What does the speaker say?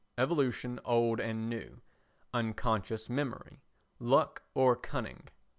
[Evolution Old and New, Unconscious Memory, Luck or Cunning?